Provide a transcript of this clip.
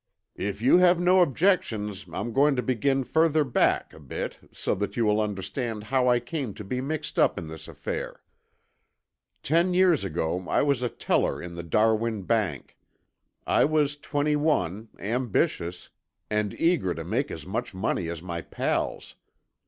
"If you have no objections I'm going to begin further back a bit so that you will understand how I came to be mixed up in this affair. Ten years ago I was a teller in the Darwin Bank. I was twenty one, ambitious, and eager to make as much money as my pals.